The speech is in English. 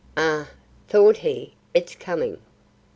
"Ah," thought he, "it's coming.